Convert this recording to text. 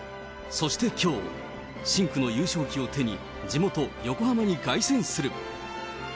そしてきょう、深紅の優勝旗を手に、地元、横浜に凱旋する。